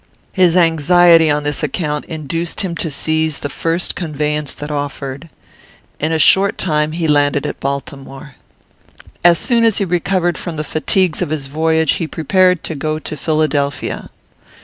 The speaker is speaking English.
His anxiety on this account induced him to seize the first conveyance that offered. In a short time he landed at Baltimore. "As soon as he recovered from the fatigues of his voyage, he prepared to go to Philadelphia.